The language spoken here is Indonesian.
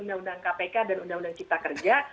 undang undang kpk dan undang undang cipta kerja